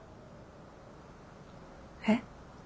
えっ？